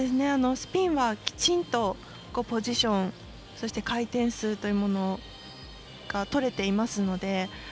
スピンはきちんとポジションそして、回転数というものがとれていますので。